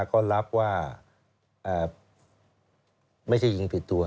ก็รับว่าไม่ใช่ยิงผิดตัว